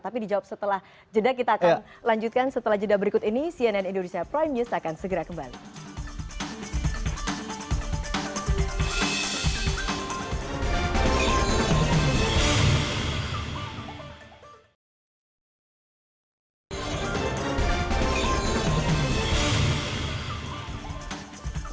tapi dijawab setelah jeda kita akan lanjutkan setelah jeda berikut ini cnn indonesia prime news akan segera kembali